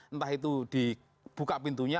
entah itu dibuka pintunya